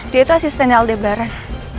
dia itu asisten aldebaran